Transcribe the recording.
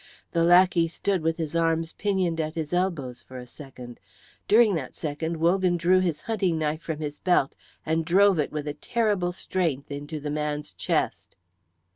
The lackey stood with his arms pinioned at his elbows for a second. During that second Wogan drew his hunting knife from his belt and drove it with a terrible strength into the man's chest.